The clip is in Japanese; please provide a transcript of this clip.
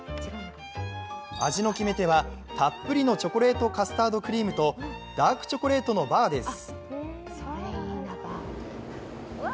味の決め手はたっぷりのチョコレートカスタードクリームと、ダークチョコレートのバーです。